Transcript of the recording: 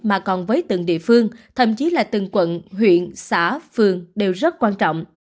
mà còn với từng địa phương thậm chí là từng quận huyện xã phường đều rất quan trọng